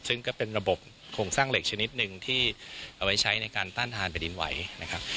ซึ่งก็เป็นระบบโครงสร้างเหล็กชนิดหนึ่งที่เอาไว้ใช้ในการต้านทานแผ่นดินไหวนะครับ